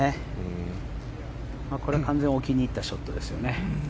これは完全に置きにいったショットですね。